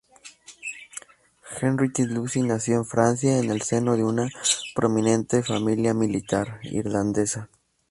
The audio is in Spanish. Henriette-Lucy nació en Francia, en el seno de una prominente familia militar irlandesa.